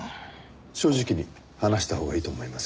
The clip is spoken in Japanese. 正直に話したほうがいいと思いますよ。